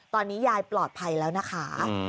ตอนนี้ยายปลอดภัยแล้วนะคะ